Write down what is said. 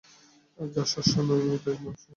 যা শস্য নয় তা-ই নস্য।